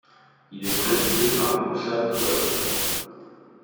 Il est présidé par Moussa Touati.